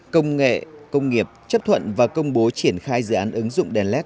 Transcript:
công nghệ công nghiệp chấp thuận và công bố triển khai dự án ứng dụng đèn led